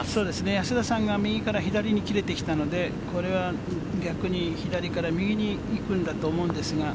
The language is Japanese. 安田さんが右から左に切れてきたので、これは逆に左から右に行くんだと思うんですが。